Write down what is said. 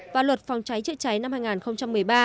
và luật phòng cháy chữa cháy năm hai nghìn một mươi ba